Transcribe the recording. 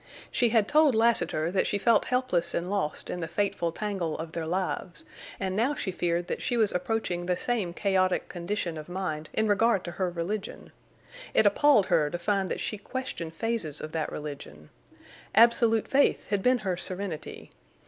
She had told Lassiter that she felt helpless and lost in the fateful tangle of their lives; and now she feared that she was approaching the same chaotic condition of mind in regard to her religion. It appalled her to find that she questioned phases of that religion. Absolute faith had been her serenity.